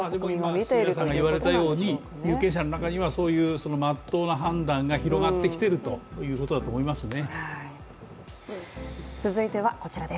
有権者の中にはまっとうな判断が広がってきているということだと思いますね。